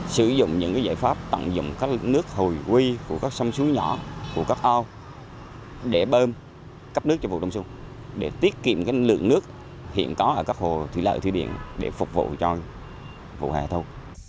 sử dụng những giải pháp tận dụng các nước hồi quy của các sông suối nhỏ của các ao để bơm cấp nước cho vụ đông xuân để tiết kiệm lượng nước hiện có ở các hồ thủy lợi thủy điện để phục vụ cho vụ hạ thu